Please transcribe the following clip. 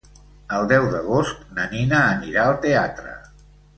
El deu d'agost na Nina anirà al teatre.